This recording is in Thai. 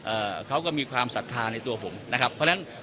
เขาก็มีความศรัทธาในตัวผมนะครับเพราะฉะนั้น